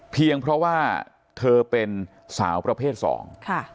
เพียงเพราะว่าเธอเป็นสาวประเภทสองค่ะ